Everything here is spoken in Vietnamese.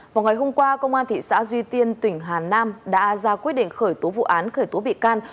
vào ngày hôm qua công an thị xã duy tiên tỉnh hà nam đã ra quyết định khởi tố vụ án khởi tố bị can